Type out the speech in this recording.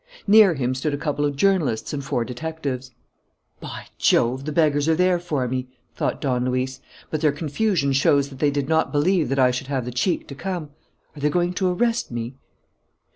Near him stood a couple of journalists and four detectives. "By Jove! the beggars are there for me!" thought Don Luis. "But their confusion shows that they did not believe that I should have the cheek to come. Are they going to arrest me?"